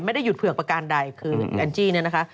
ไม่ได้หยุดเผือกประการใดคือแอนจี้เนี่ยนะคะ